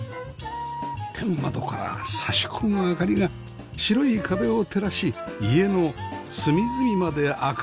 天窓から差し込む明かりが白い壁を照らし家の隅々まで明かりを届けます